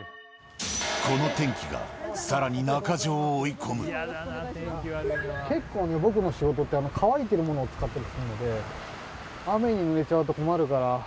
この天気が、さらに中城を追い込結構、僕の仕事って、乾いてるものを使ったりするので、雨にぬれちゃうと困るから。